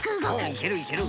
いけるいける。